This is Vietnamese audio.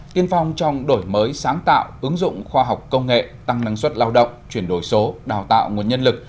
tiên phong trong đổi mới sáng tạo ứng dụng khoa học công nghệ tăng năng suất lao động chuyển đổi số đào tạo nguồn nhân lực